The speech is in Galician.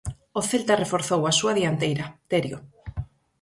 O Celta reforzou a súa dianteira, Terio.